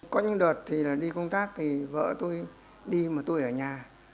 có những đợt thì đi công tác thì vợ tôi đi mà tôi ở nhà